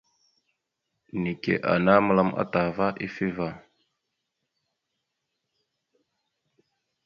Neke ana məlam ataha ava ifevá.